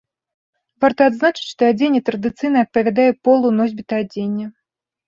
Варта адзначыць, што адзенне традыцыйна адпавядае полу носьбіта адзення.